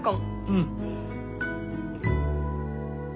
うん！